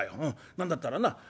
何だったらな